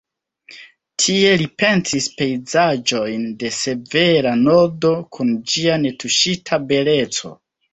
Tie li pentris pejzaĝojn de severa Nordo kun ĝia netuŝita beleco.